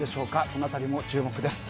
この辺りも注目です。